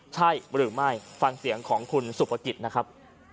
ใช่หรือไม่ฟังเสียงของคุณสุภกิจนะครับ